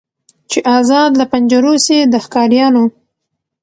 چي آزاد له پنجرو سي د ښکاریانو